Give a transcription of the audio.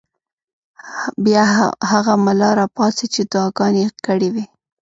بیا هغه ملا راپاڅېد چې دعاګانې یې کړې وې.